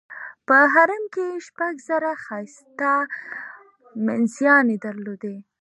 په حرم کې یې شپږ زره ښایسته مینځیاني درلودې.